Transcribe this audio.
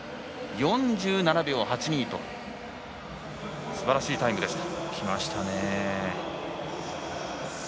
４７秒８２とすばらしいタイムでした。